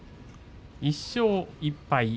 １勝１敗。